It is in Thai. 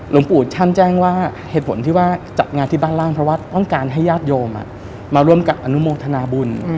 หลวงปู่ท่านแจ้งว่าเหตุผลที่ว่าจัดงานที่บ้านล่างเพราะว่าต้องการให้ญาติโยมมาร่วมกับอนุโมทนาบุญ